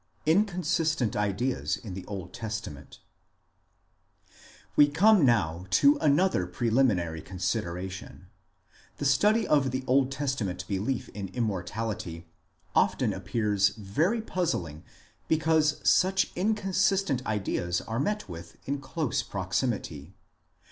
INCONSISTENT IDEAS IN THE OLD TESTAMENT We come now to another preliminary consideration. The study of the Old Testament belief in Immortality often appears very puzzling because such inconsistent ideas are met with in close proximity.